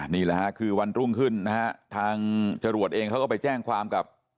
นี่แหละฮะคือวันรุ่งขึ้นนะฮะทางจรวดเองเขาก็ไปแจ้งความกับ